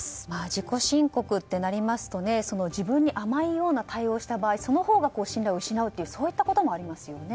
自己申告となりますと自分に甘いような対応をした場合その方が信頼を失うというそういったこともありますよね。